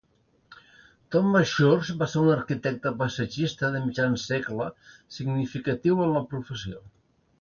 Thomas Church va ser un arquitecte paisatgista de mitjan segle significatiu en la professió.